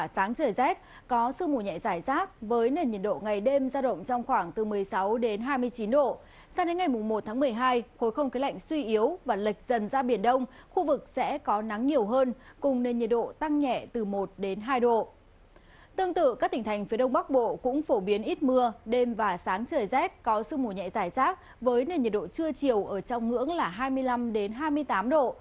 sáng trời rét có sư mù nhẹ dài rác với nền nhiệt độ trưa chiều ở trong ngưỡng là hai mươi năm hai mươi tám độ